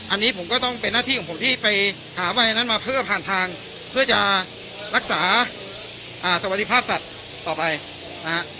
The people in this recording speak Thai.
อันนี้ผมก็ต้องเป็นหน้าที่ของผมที่ไปหาใบนั้นมาเพื่อผ่านทางเพื่อจะรักษาสวัสดีภาพสัตว์ต่อไปนะฮะ